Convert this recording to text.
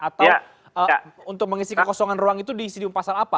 atau untuk mengisi kekosongan ruang itu disidium pasal apa